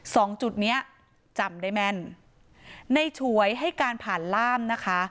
สองจุดเนี้ยจำได้แม่นในฉวยให้การผ่านล่ามนะคะ